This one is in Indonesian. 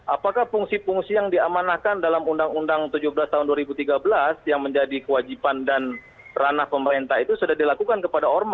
apakah fungsi fungsi yang diamanahkan dalam undang undang tujuh belas tahun dua ribu tiga belas yang menjadi kewajiban dan ranah pemerintah itu sudah dilakukan kepada ormas